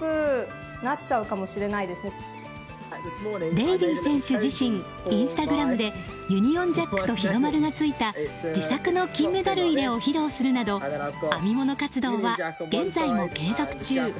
デイリー選手自身インスタグラムでユニオンジャックと日の丸がついた自作の金メダル入れを披露するなど編み物活動は現在も継続中。